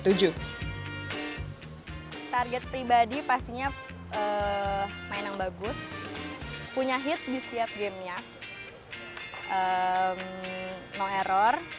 target pribadi pastinya main yang bagus punya hit di setiap gamenya no error